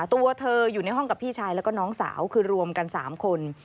ตัวเธออยู่ในห้องกับพี่ชายแล้วก็น้องสาวคือรวมกัน๓คน